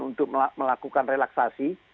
untuk melakukan relaksasi